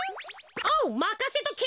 おうまかせとけ！